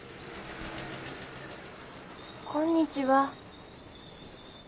こんにちは。